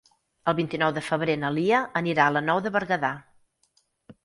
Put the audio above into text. El vint-i-nou de febrer na Lia anirà a la Nou de Berguedà.